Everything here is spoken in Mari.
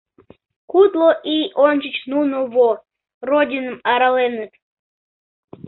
Кудло ий ончыч нуно во, Родиным араленыт.